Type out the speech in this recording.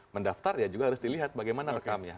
mendaftar ya juga harus dilihat bagaimana rekamnya